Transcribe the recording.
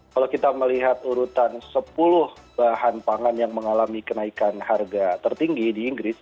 kalau kita melihat urutan sepuluh bahan pangan yang mengalami kenaikan harga tertinggi di inggris